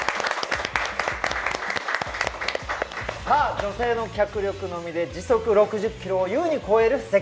女性の脚力のみで時速６０キロをゆうに超える世界！